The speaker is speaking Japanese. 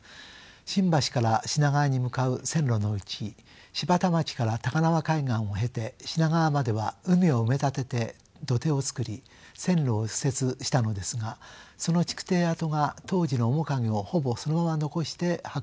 新橋から品川に向かう線路のうち芝田町から高輪海岸を経て品川までは海を埋め立てて土手を作り線路を敷設したのですがその築堤跡が当時の面影をほぼそのまま残して発掘されたのです。